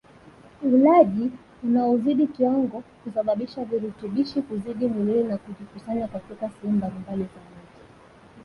Ulaji unaozidi kiwango husababisha virutubishi kuzidi mwilini na kujikusanya katika sehemu mbalimbali za mwili